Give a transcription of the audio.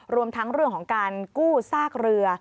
รวมทั้งเรื่องของการกู้ซากเรือ